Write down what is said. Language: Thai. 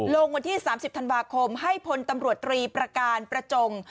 วันที่๓๐ธันวาคมให้พลตำรวจตรีประการประจง